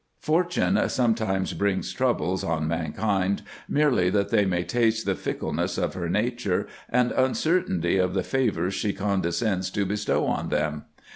Fortune sometimes brings troubles on mankind merely that they may taste the fickleness of her nature and uncertainty of the favours she condescends to bestow on them.